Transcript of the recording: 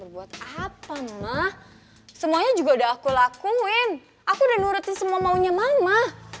buat apa mak semuanya juga udah aku lakuin aku udah nurutin semua maunya mama